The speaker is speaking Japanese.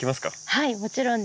はいもちろんです。